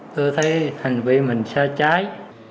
tôi thấy hành vi mình xa trái